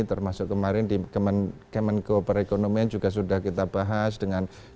termasuk kemarin di kemenko perekonomian juga sudah kita bahas dengan